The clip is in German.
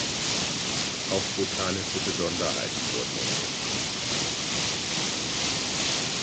Auch botanische Besonderheiten wurden entdeckt.